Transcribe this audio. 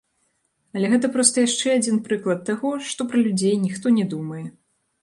Але гэта проста яшчэ адзін прыклад таго, што пра людзей ніхто не думае.